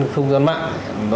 không gian mạng